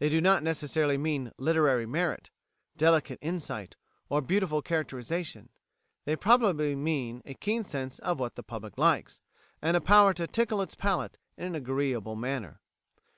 They do not necessarily mean literary merit, delicate insight, or beautiful characterisation; they probably mean a keen sense of what the public likes, and a power to tickle its palate in an agreeable manner.